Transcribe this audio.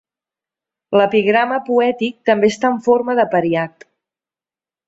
L'epigrama poètic també està en forma d'apariat.